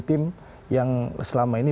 tim yang selama ini